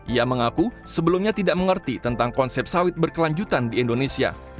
ia mengaku sebelumnya tidak mengerti tentang konsep sawit berkelanjutan di indonesia